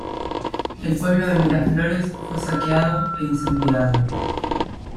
El pueblo de Miraflores fue saqueado e incendiado.